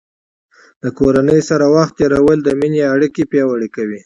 د کورنۍ سره وخت تیرول د مینې اړیکې پیاوړې کوي.